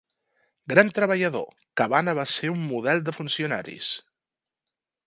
Gran treballador, Cabana va ser un model de funcionaris.